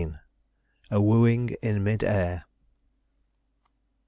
A WOOING IN MID AIR.